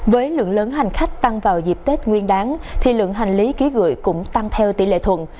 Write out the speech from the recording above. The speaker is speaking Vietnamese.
với lượng lớn hành khách tăng vào dịp tết nguyên đáng thì lượng hành lý ký gửi cũng tăng theo tỷ lệ thuận